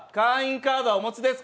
カードお持ちですか？